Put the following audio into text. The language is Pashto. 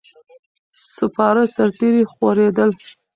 سپاره سرتیري خورېدل.